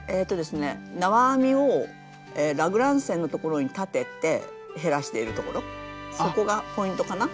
縄編みをラグラン線のところに立てて減らしているところそこがポイントかな。